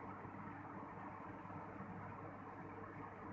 แต่ว่าจะเป็นแบบนี้